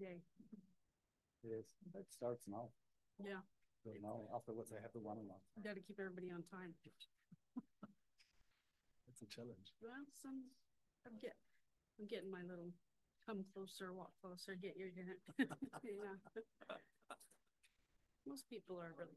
It's a day. It is. It starts now. Yeah. Now, afterwards, I have to run around. You got to keep everybody on time. That's a challenge. I'm getting my little come closer, walk closer, get your unit. Yeah. Most people are really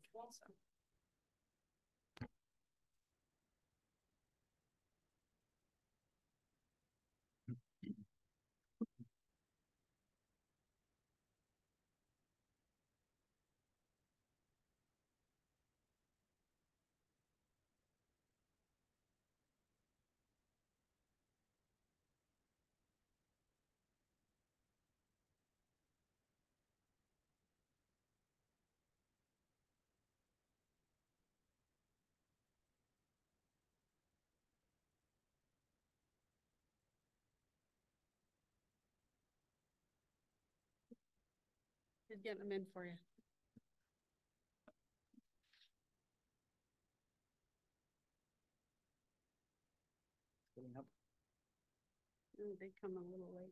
cool, so. I've got them in for you. Can you help? They come a little late.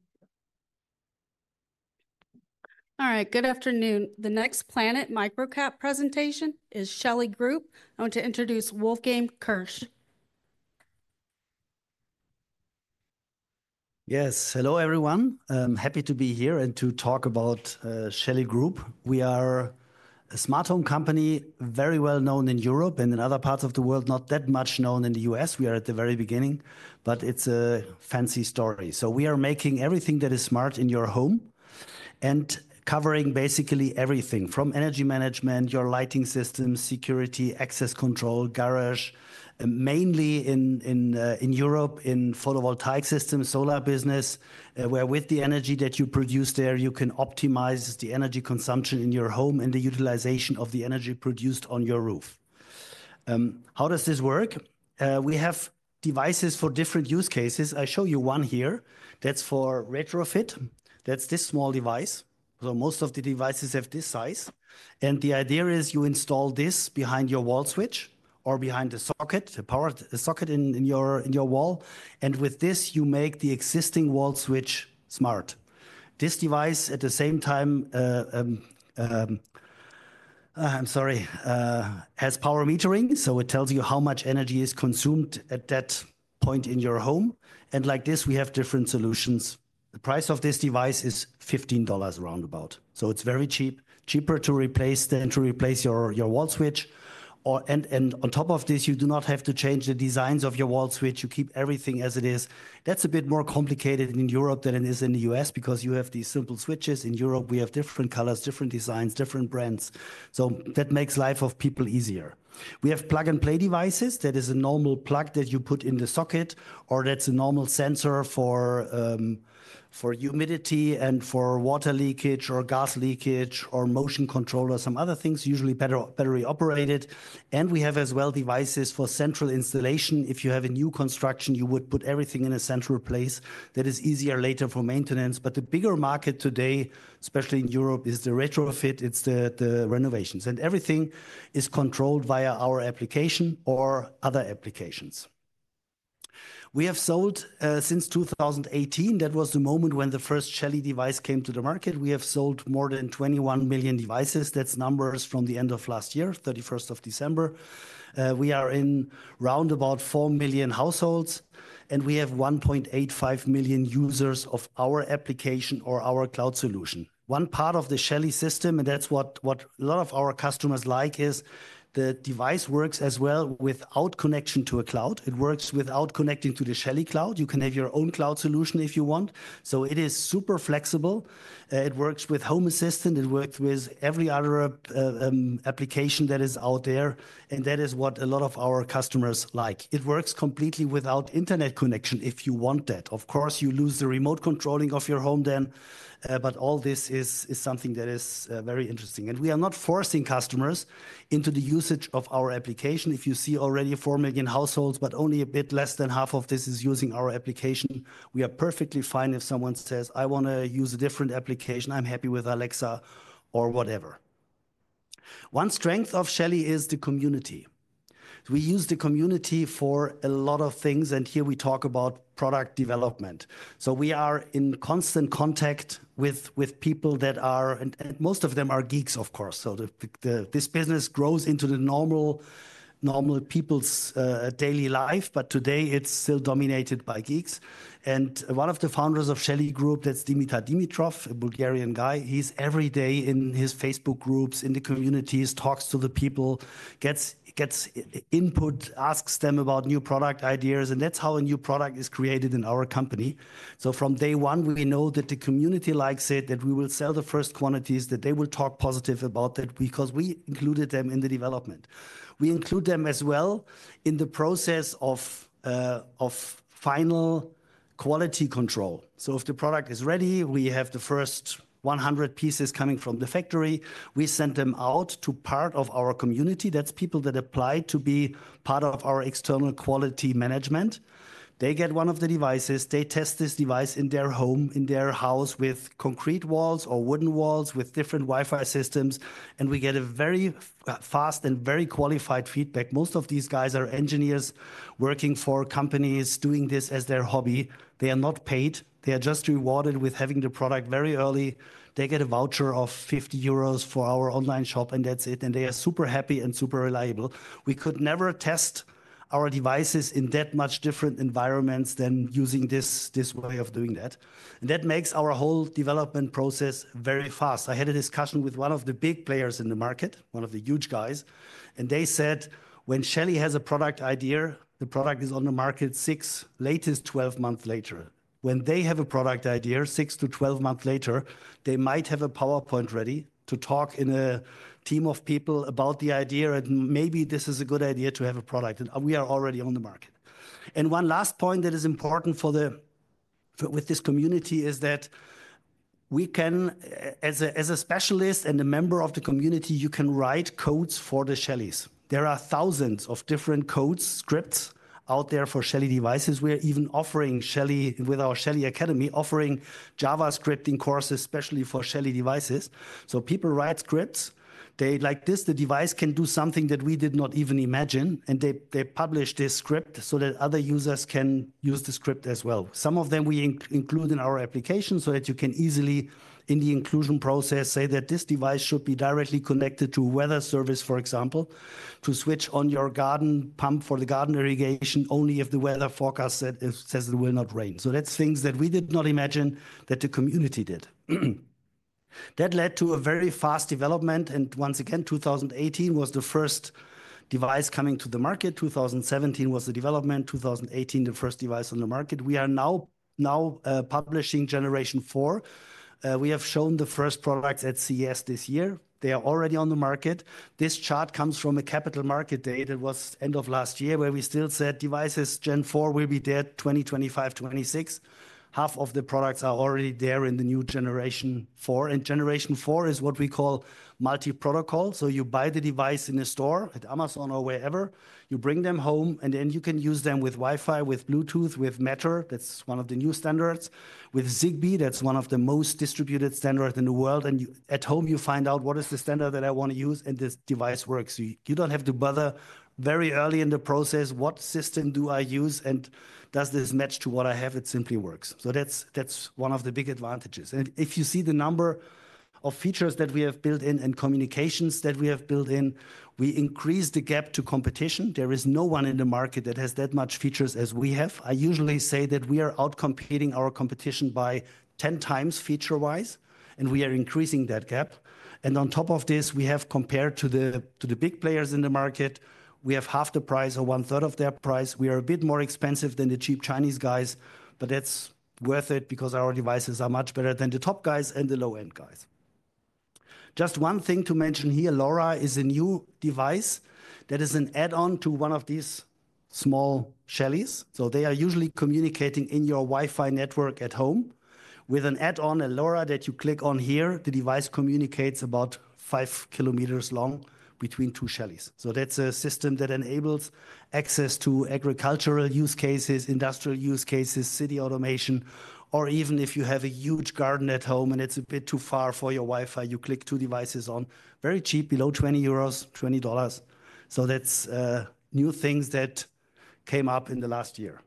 All right. Good afternoon. The next Planet MicroCap presentation is Shelly Group. I want to introduce Wolfgang Kirsch. Yes. Hello, everyone. I'm happy to be here and to talk about Shelly Group. We are a smart home company, very well known in Europe and in other parts of the world, not that much known in the U.S. We are at the very beginning, but it's a fancy story. We are making everything that is smart in your home and covering basically everything from energy management, your lighting systems, security, access control, garage, mainly in Europe, in photovoltaic systems, solar business, where with the energy that you produce there, you can optimize the energy consumption in your home and the utilization of the energy produced on your roof. How does this work? We have devices for different use cases. I show you one here. That's for retrofit. That's this small device. Most of the devices have this size. The idea is you install this behind your wall switch or behind the socket, the power socket in your wall. With this, you make the existing wall switch smart. This device, at the same time, has power metering. It tells you how much energy is consumed at that point in your home. Like this, we have different solutions. The price of this device is $15 roundabout. It is very cheap, cheaper than to replace your wall switch. On top of this, you do not have to change the designs of your wall switch. You keep everything as it is. That is a bit more complicated in Europe than it is in the U.S. because you have these simple switches. In Europe, we have different colors, different designs, different brands. That makes life of people easier. We have plug-and-play devices. That is a normal plug that you put in the socket, or that's a normal sensor for humidity and for water leakage or gas leakage or motion control or some other things, usually battery operated. We have as well devices for central installation. If you have a new construction, you would put everything in a central place. That is easier later for maintenance. The bigger market today, especially in Europe, is the retrofit. It's the renovations. Everything is controlled via our application or other applications. We have sold since 2018. That was the moment when the first Shelly device came to the market. We have sold more than 21 million devices. That's numbers from the end of last year, 31st of December. We are in roundabout 4 million households, and we have 1.85 million users of our application or our cloud solution. One part of the Shelly system, and that's what a lot of our customers like, is the device works as well without connection to a cloud. It works without connecting to the Shelly Cloud. You can have your own cloud solution if you want. It is super flexible. It works with Home Assistant. It works with every other application that is out there. That is what a lot of our customers like. It works completely without internet connection if you want that. Of course, you lose the remote controlling of your home then. All this is something that is very interesting. We are not forcing customers into the usage of our application. If you see already 4 million households, but only a bit less than half of this is using our application, we are perfectly fine if someone says, "I want to use a different application. I'm happy with Alexa," or whatever. One strength of Shelly is the community. We use the community for a lot of things. Here we talk about product development. We are in constant contact with people that are, and most of them are geeks, of course. This business grows into the normal people's daily life, but today it's still dominated by geeks. One of the founders of Shelly Group, that's Dimitar Dimitrov, a Bulgarian guy. He's every day in his Facebook groups, in the communities, talks to the people, gets input, asks them about new product ideas. That's how a new product is created in our company. From day one, we know that the community likes it, that we will sell the first quantities, that they will talk positive about that because we included them in the development. We include them as well in the process of final quality control. If the product is ready, we have the first 100 pieces coming from the factory. We send them out to part of our community. That is people that apply to be part of our external quality management. They get one of the devices. They test this device in their home, in their house with concrete walls or wooden walls with different Wi-Fi systems. We get very fast and very qualified feedback. Most of these guys are engineers working for companies doing this as their hobby. They are not paid. They are just rewarded with having the product very early. They get a voucher of 50 euros for our online shop, and that is it. They are super happy and super reliable. We could never test our devices in that much different environments than using this way of doing that. That makes our whole development process very fast. I had a discussion with one of the big players in the market, one of the huge guys. They said, "When Shelly has a product idea, the product is on the market 6, latest 12 months later." When they have a product idea 6 to 12 months later, they might have a PowerPoint ready to talk in a team of people about the idea. Maybe this is a good idea to have a product. We are already on the market. One last point that is important with this community is that we can, as a specialist and a member of the community, you can write codes for the Shellys. There are thousands of different code scripts out there for Shelly devices. We are even offering Shelly with our Shelly Academy offering JavaScript in courses, especially for Shelly devices. So people write scripts. They like this. The device can do something that we did not even imagine. And they publish this script so that other users can use the script as well. Some of them we include in our application so that you can easily, in the inclusion process, say that this device should be directly connected to weather service, for example, to switch on your garden pump for the garden irrigation only if the weather forecast says it will not rain. That is things that we did not imagine that the community did. That led to a very fast development. Once again, 2018 was the first device coming to the market. 2017 was the development. 2018, the first device on the market. We are now publishing generation four. We have shown the first products at CES this year. They are already on the market. This chart comes from a Capital Markets Day. It was end of last year where we still said devices Gen 4 will be dead 2025, 2026. Half of the products are already there in the new generation four. Generation four is what we call multi-protocol. You buy the device in a store at Amazon or wherever. You bring them home, and then you can use them with Wi-Fi, with Bluetooth, with Matter. That is one of the new standards. With Zigbee, that is one of the most distributed standards in the world. At home, you find out what is the standard that I want to use, and this device works. You do not have to bother very early in the process. What system do I use? And does this match to what I have? It simply works. That is one of the big advantages. If you see the number of features that we have built in and communications that we have built in, we increase the gap to competition. There is no one in the market that has that much features as we have. I usually say that we are outcompeting our competition by 10 times feature-wise, and we are increasing that gap. On top of this, we have compared to the big players in the market, we have half the price or one-third of their price. We are a bit more expensive than the cheap Chinese guys, but that is worth it because our devices are much better than the top guys and the low-end guys. Just one thing to mention here, LoRa is a new device that is an add-on to one of these small Shellys. They are usually communicating in your Wi-Fi network at home with an add-on, a LoRa that you click on here. The device communicates about 5 km long between two Shellys. That is a system that enables access to agricultural use cases, industrial use cases, city automation, or even if you have a huge garden at home and it is a bit too far for your Wi-Fi, you click two devices on. Very cheap, below 20 euros, $20. That is new things that came up in the last year.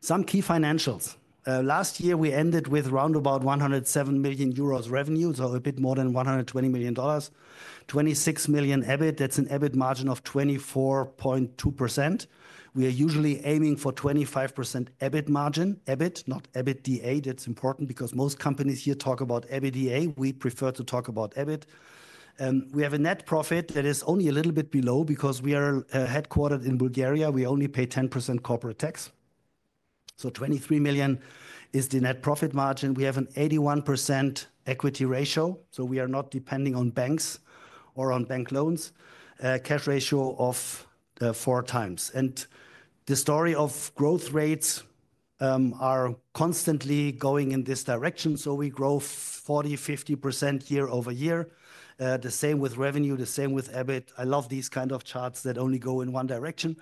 Some key financials. Last year, we ended with roundabout 107 million euros revenue, so a bit more than $120 million. $26 million EBIT. That is an EBIT margin of 24.2%. We are usually aiming for 25% EBIT margin, EBIT, not EBITDA. That's important because most companies here talk about EBITDA. We prefer to talk about EBIT. We have a net profit that is only a little bit below because we are headquartered in Bulgaria. We only pay 10% corporate tax. $23 million is the net profit margin. We have an 81% equity ratio. We are not depending on banks or on bank loans, cash ratio of four times. The story of growth rates are constantly going in this direction. We grow 40-50% year over year. The same with revenue, the same with EBIT. I love these kind of charts that only go in one direction.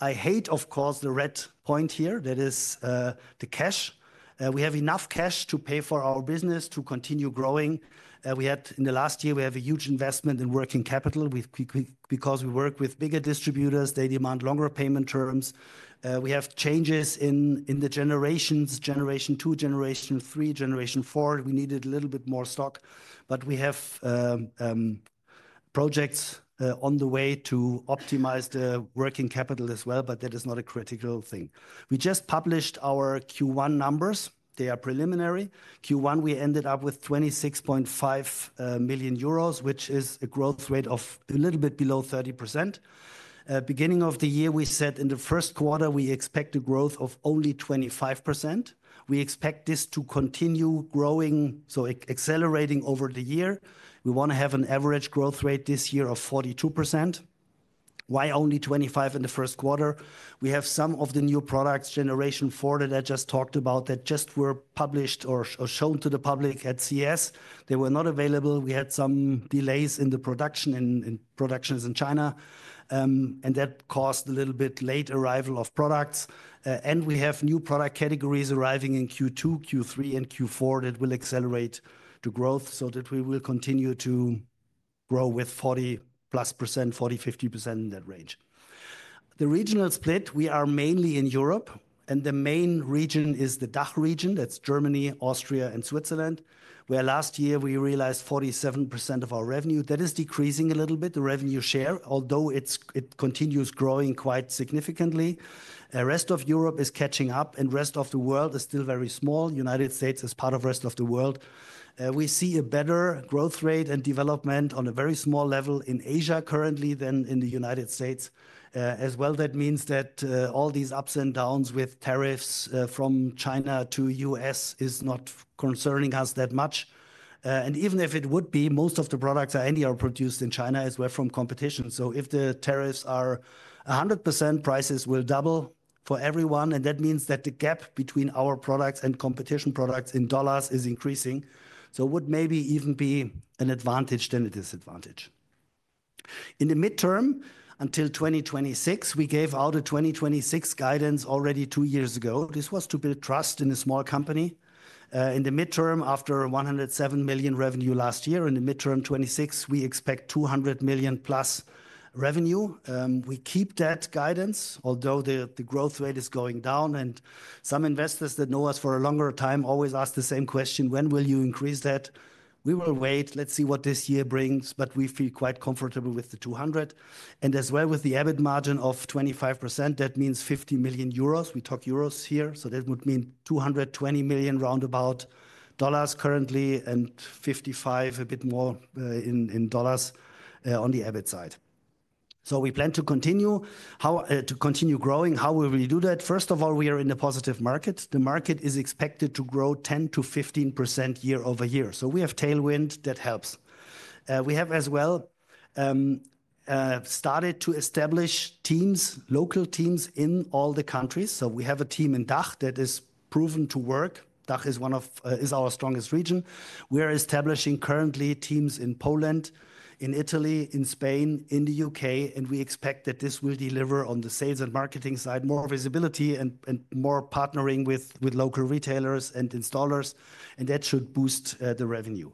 I hate, of course, the red point here. That is the cash. We have enough cash to pay for our business to continue growing. In the last year, we have a huge investment in working capital because we work with bigger distributors. They demand longer payment terms. We have changes in the generations, generation two, generation three, generation four. We needed a little bit more stock, but we have projects on the way to optimize the working capital as well, but that is not a critical thing. We just published our Q1 numbers. They are preliminary. Q1, we ended up with 26.5 million euros, which is a growth rate of a little bit below 30%. Beginning of the year, we said in the first quarter, we expect a growth of only 25%. We expect this to continue growing, so accelerating over the year. We want to have an average growth rate this year of 42%. Why only 25 in the first quarter? We have some of the new products, generation four that I just talked about, that just were published or shown to the public at CES. They were not available. We had some delays in the production in China, and that caused a little bit late arrival of products. We have new product categories arriving in Q2, Q3, and Q4 that will accelerate the growth so that we will continue to grow with 40% plus, 40-50% in that range. The regional split, we are mainly in Europe, and the main region is the DACH region. That is Germany, Austria, and Switzerland, where last year we realized 47% of our revenue. That is decreasing a little bit, the revenue share, although it continues growing quite significantly. Rest of Europe is catching up, and rest of the world is still very small. The United States is part of the rest of the world. We see a better growth rate and development on a very small level in Asia currently than in the United States as well. That means that all these ups and downs with tariffs from China to the U.S. is not concerning us that much. Even if it would be, most of the products are produced in China as well from competition. If the tariffs are 100%, prices will double for everyone. That means that the gap between our products and competition products in dollars is increasing. It would maybe even be an advantage than a disadvantage. In the midterm, until 2026, we gave out a 2026 guidance already two years ago. This was to build trust in a small company. In the midterm, after 107 million revenue last year, in the midterm 2026, we expect 200 million-plus revenue. We keep that guidance, although the growth rate is going down. Some investors that know us for a longer time always ask the same question, "When will you increase that?" We will wait. Let's see what this year brings. We feel quite comfortable with the 200 million. As well with the EBIT margin of 25%, that means 50 million euros. We talk euros here. That would mean about $220 million currently and a bit more than $55 million on the EBIT side. We plan to continue growing. How will we do that? First of all, we are in a positive market. The market is expected to grow 10-15% year over year. We have tailwind that helps. We have as well started to establish teams, local teams in all the countries. We have a team in DACH that is proven to work. DACH is our strongest region. We are establishing currently teams in Poland, in Italy, in Spain, in the U.K. We expect that this will deliver on the sales and marketing side, more visibility and more partnering with local retailers and installers. That should boost the revenue.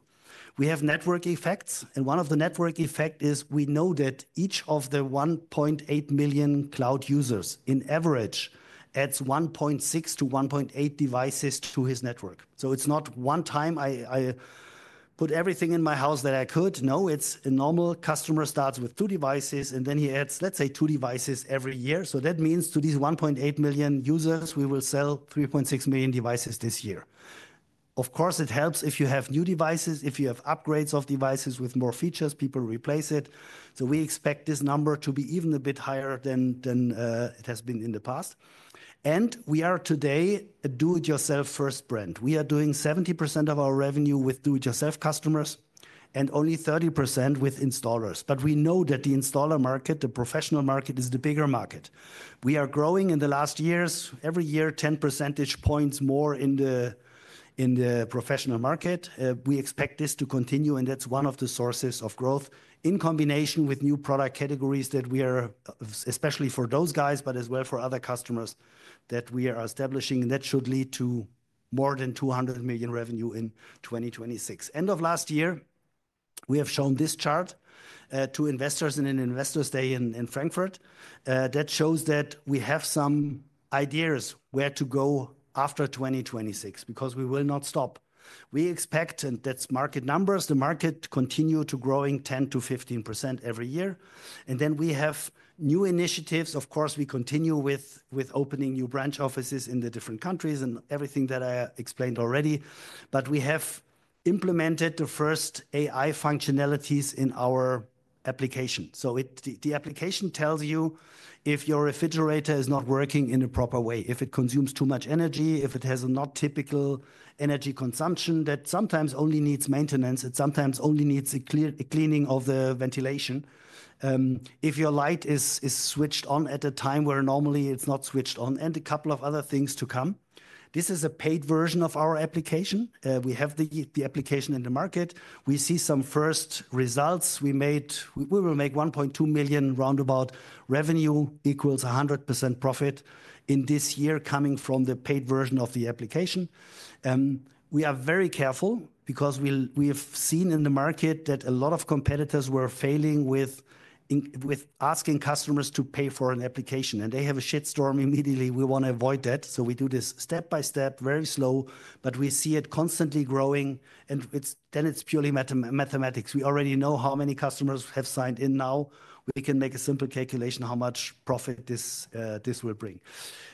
We have network effects. One of the network effects is we know that each of the 1.8 million cloud users on average adds 1.6-1.8 devices to his network. It is not one time I put everything in my house that I could. No, a normal customer starts with two devices, and then he adds, let's say, two devices every year. That means to these 1.8 million users, we will sell 3.6 million devices this year. Of course, it helps if you have new devices. If you have upgrades of devices with more features, people replace it. We expect this number to be even a bit higher than it has been in the past. We are today a do-it-yourself first brand. We are doing 70% of our revenue with do-it-yourself customers and only 30% with installers. We know that the installer market, the professional market, is the bigger market. We are growing in the last years, every year 10 percentage points more in the professional market. We expect this to continue, and that is one of the sources of growth in combination with new product categories that we are, especially for those guys, but as well for other customers that we are establishing. That should lead to more than 200 million revenue in 2026. End of last year, we have shown this chart to investors in an investors day in Frankfurt. That shows that we have some ideas where to go after 2026 because we will not stop. We expect, and that's market numbers, the market continue to growing 10-15% every year. We have new initiatives. Of course, we continue with opening new branch offices in the different countries and everything that I explained already. We have implemented the first AI functionalities in our application. The application tells you if your refrigerator is not working in a proper way, if it consumes too much energy, if it has a not typical energy consumption that sometimes only needs maintenance, it sometimes only needs a cleaning of the ventilation, if your light is switched on at a time where normally it's not switched on, and a couple of other things to come. This is a paid version of our application. We have the application in the market. We see some first results. We will make 1.2 million roundabout revenue equals 100% profit in this year coming from the paid version of the application. We are very careful because we have seen in the market that a lot of competitors were failing with asking customers to pay for an application, and they have a shit storm immediately. We want to avoid that. We do this step by step, very slow, but we see it constantly growing. Then it's purely mathematics. We already know how many customers have signed in now. We can make a simple calculation how much profit this will bring.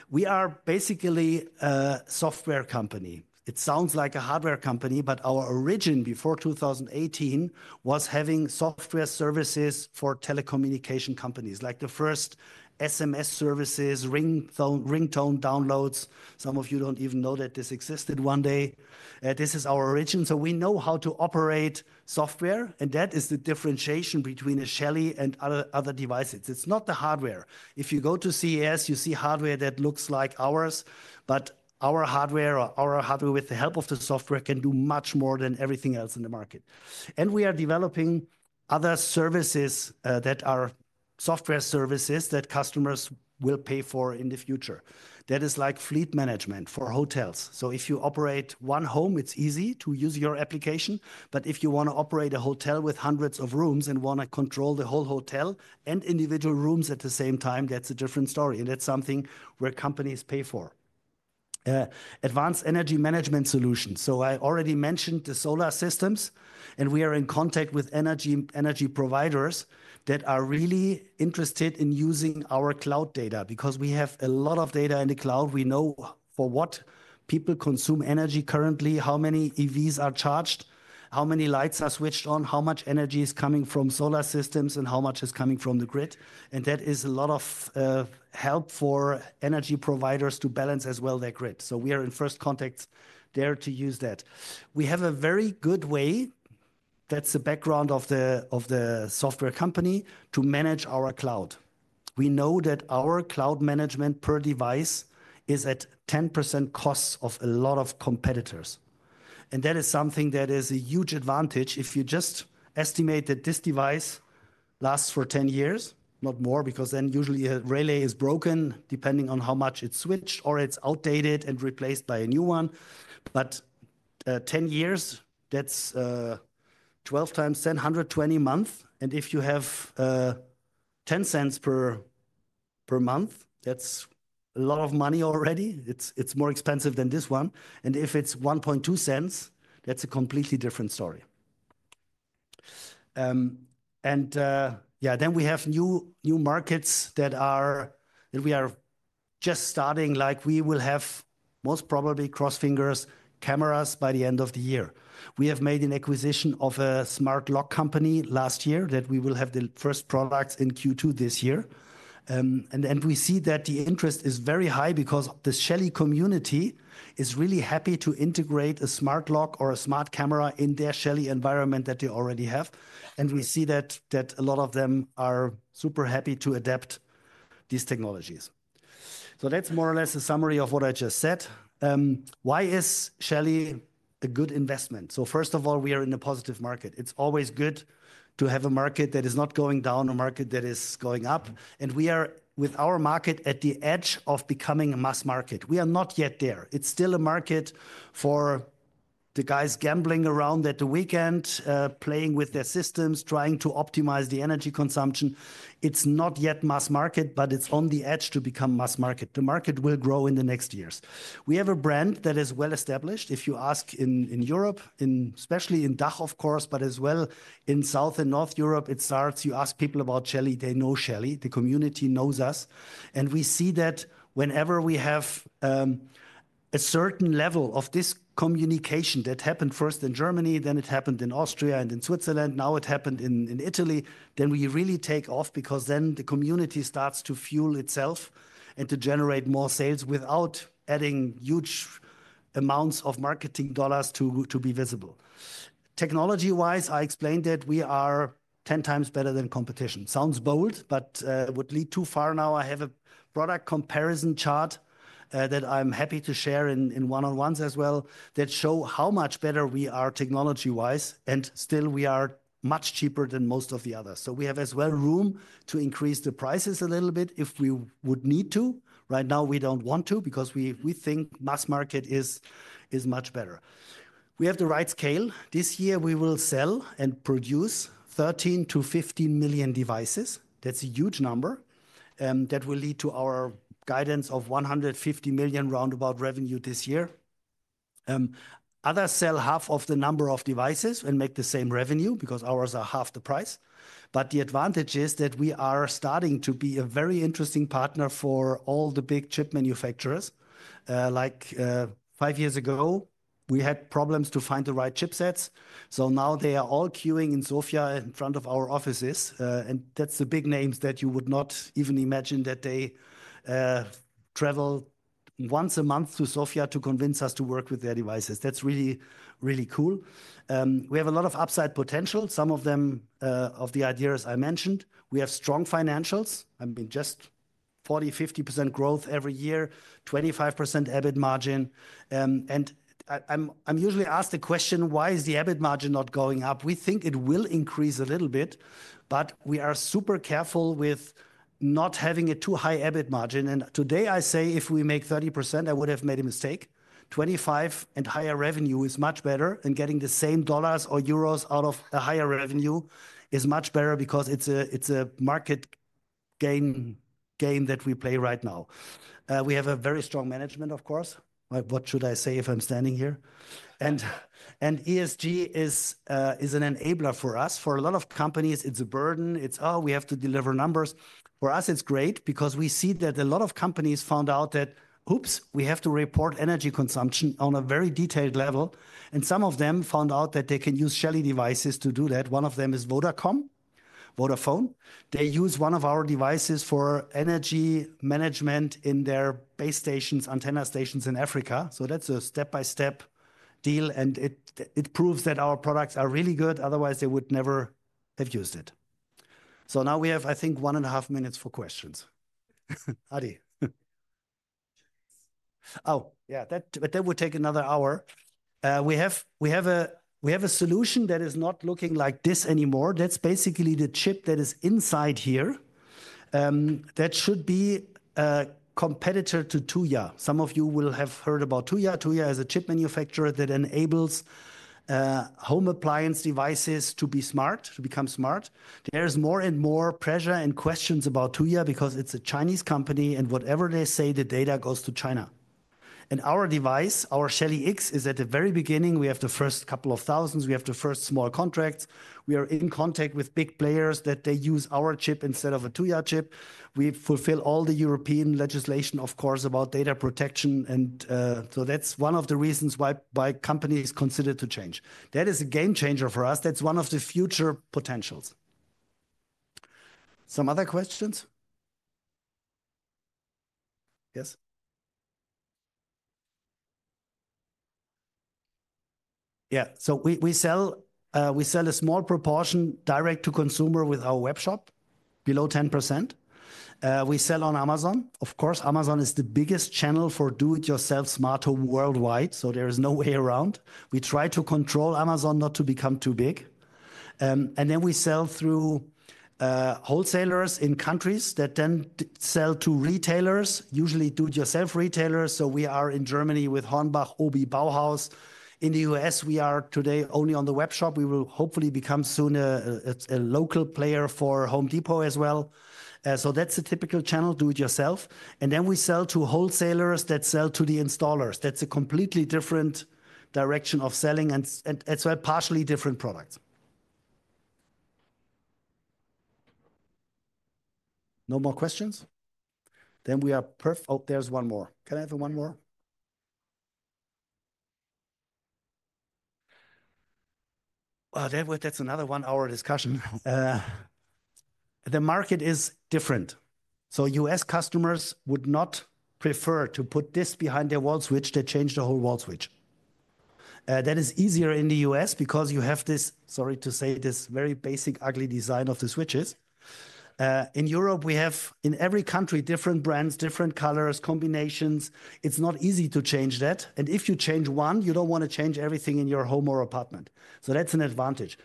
We are basically a software company. It sounds like a hardware company, but our origin before 2018 was having software services for telecommunication companies, like the first SMS services, ringtone downloads. Some of you don't even know that this existed one day. This is our origin. We know how to operate software, and that is the differentiation between a Shelly and other devices. It's not the hardware. If you go to CES, you see hardware that looks like ours. Our hardware or our hardware with the help of the software can do much more than everything else in the market. We are developing other services that are software services that customers will pay for in the future. That is like fleet management for hotels. If you operate one home, it's easy to use your application. If you want to operate a hotel with hundreds of rooms and want to control the whole hotel and individual rooms at the same time, that's a different story. That's something where companies pay for. Advanced energy management solutions. I already mentioned the solar systems, and we are in contact with energy providers that are really interested in using our cloud data because we have a lot of data in the cloud. We know for what people consume energy currently, how many EVs are charged, how many lights are switched on, how much energy is coming from solar systems, and how much is coming from the grid. That is a lot of help for energy providers to balance as well their grid. We are in first contact there to use that. We have a very good way. That is the background of the software company to manage our cloud. We know that our cloud management per device is at 10% costs of a lot of competitors. That is something that is a huge advantage if you just estimate that this device lasts for 10 years, not more, because then usually a relay is broken depending on how much it is switched or it is outdated and replaced by a new one. Ten years, that is 12 times 10, 120 a month. If you have 10 cents per month, that is a lot of money already. It is more expensive than this one. If it is 1.2 cents, that is a completely different story. Yeah, we have new markets that we are just starting. Like, we will have, most probably, cross fingers, cameras by the end of the year. We have made an acquisition of a smart lock company last year that we will have the first products in Q2 this year. We see that the interest is very high because the Shelly community is really happy to integrate a smart lock or a smart camera in their Shelly environment that they already have. We see that a lot of them are super happy to adapt these technologies. That is more or less a summary of what I just said. Why is Shelly a good investment? First of all, we are in a positive market. It is always good to have a market that is not going down, a market that is going up. We are with our market at the edge of becoming a mass market. We are not yet there. It's still a market for the guys gambling around at the weekend, playing with their systems, trying to optimize the energy consumption. It's not yet mass market, but it's on the edge to become mass market. The market will grow in the next years. We have a brand that is well established. If you ask in Europe, especially in DACH, of course, but as well in South and North Europe, it starts. You ask people about Shelly, they know Shelly. The community knows us. We see that whenever we have a certain level of this communication that happened first in Germany, then it happened in Austria and in Switzerland, now it happened in Italy, we really take off because the community starts to fuel itself and to generate more sales without adding huge amounts of marketing dollars to be visible. Technology-wise, I explained that we are 10 times better than competition. Sounds bold, but it would lead too far now. I have a product comparison chart that I'm happy to share in one-on-ones as well that show how much better we are technology-wise. Still, we are much cheaper than most of the others. We have as well room to increase the prices a little bit if we would need to. Right now, we do not want to because we think mass market is much better. We have the right scale. This year, we will sell and produce 13-15 million devices. That's a huge number that will lead to our guidance of 150 million roundabout revenue this year. Others sell half of the number of devices and make the same revenue because ours are half the price. The advantage is that we are starting to be a very interesting partner for all the big chip manufacturers. Like five years ago, we had problems to find the right chip sets. Now they are all queuing in Sofia in front of our offices. That's the big names that you would not even imagine that they travel once a month to Sofia to convince us to work with their devices. That's really, really cool. We have a lot of upside potential. Some of them of the ideas I mentioned. We have strong financials. I mean, just 40-50% growth every year, 25% EBIT margin. I'm usually asked the question, why is the EBIT margin not going up? We think it will increase a little bit, but we are super careful with not having a too high EBIT margin. Today, I say if we make 30%, I would have made a mistake. 25% and higher revenue is much better, and getting the same dollars or euros out of a higher revenue is much better because it's a market game that we play right now. We have a very strong management, of course. What should I say if I'm standing here? ESG is an enabler for us. For a lot of companies, it's a burden. It's, oh, we have to deliver numbers. For us, it's great because we see that a lot of companies found out that, oops, we have to report energy consumption on a very detailed level. Some of them found out that they can use Shelly devices to do that. One of them is Vodafone. They use one of our devices for energy management in their base stations, antenna stations in Africa. That is a step-by-step deal, and it proves that our products are really good. Otherwise, they would never have used it. Now we have, I think, one and a half minutes for questions. Oh, yeah, that would take another hour. We have a solution that is not looking like this anymore. That is basically the chip that is inside here that should be a competitor to Tuya. Some of you will have heard about Tuya. Tuya is a chip manufacturer that enables home appliance devices to be smart, to become smart. There is more and more pressure and questions about Tuya because it's a Chinese company. Whatever they say, the data goes to China. Our device, our Shelly X, is at the very beginning. We have the first couple of thousands. We have the first small contracts. We are in contact with big players that they use our chip instead of a Tuya chip. We fulfill all the European legislation, of course, about data protection. That is one of the reasons why companies consider to change. That is a game changer for us. That is one of the future potentials. Some other questions? Yes. Yeah. We sell a small proportion direct to consumer with our webshop, below 10%. We sell on Amazon. Of course, Amazon is the biggest channel for do-it-yourself smart home worldwide. There is no way around. We try to control Amazon not to become too big. We sell through wholesalers in countries that then sell to retailers, usually do-it-yourself retailers. We are in Germany with Hornbach, OBI, Bauhaus. In the U.S., we are today only on the webshop. We will hopefully become soon a local player for Home Depot as well. That is a typical channel, do-it-yourself. We sell to wholesalers that sell to the installers. That is a completely different direction of selling and partially different products. No more questions? We are perfect. Oh, there is one more. Can I have one more? That is another one-hour discussion. The market is different. U.S. customers would not prefer to put this behind their wall switch to change the whole wall switch. That is easier in the US because you have this, sorry to say, this very basic, ugly design of the switches. In Europe, we have in every country different brands, different colors, combinations. It's not easy to change that. If you change one, you don't want to change everything in your home or apartment. That's an advantage.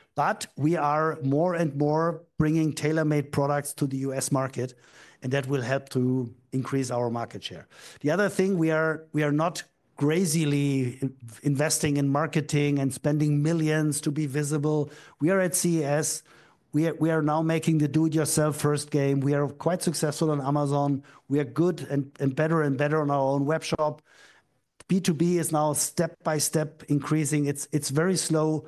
We are more and more bringing tailor-made products to the US market, and that will help to increase our market share. The other thing, we are not crazily investing in marketing and spending millions to be visible. We are at CES. We are now making the do-it-yourself first game. We are quite successful on Amazon. We are good and better and better on our own webshop. B2B is now step by step increasing. It's very slow.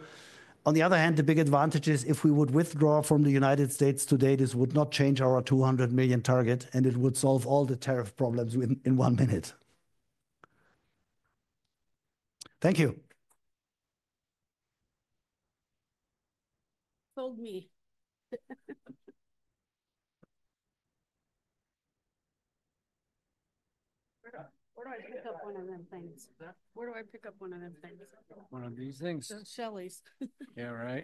On the other hand, the big advantage is if we would withdraw from the United States today, this would not change our 200 million target, and it would solve all the tariff problems in one minute. Thank you. Told me. Where do I pick up one of them things? Where do I pick up one of them things? One of these things. Shellys. Yeah, right.